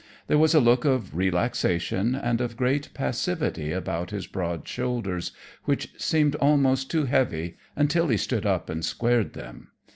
There was a look of relaxation and of great passivity about his broad shoulders, which seemed almost too heavy until he stood up and squared them.